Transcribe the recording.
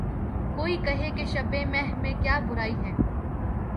کوئی کہے کہ‘ شبِ مہ میں کیا برائی ہے